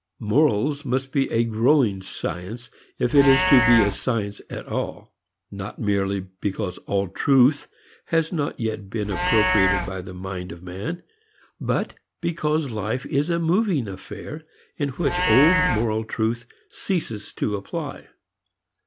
Morals must be a growing science if it is to be a science at all, not merely because all truth has not yet been appropriated by the mind of man, but because life is a moving affair in which old moral truth ceases to apply.